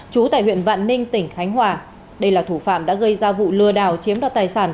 chú tại huyện vạn ninh tỉnh khánh hòa đây là thủ phạm đã gây ra vụ lừa đảo chiếm đoạt tài sản